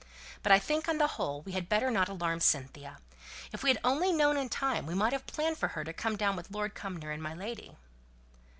But I think, on the whole, we had better not alarm Cynthia. If we had only known in time we might have planned for her to have come down with Lord Cumnor and my lady."